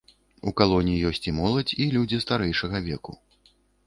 У калоне ёсць і моладзь, і людзі старэйшага веку.